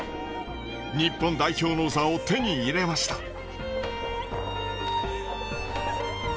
日本代表の座を手に入れました。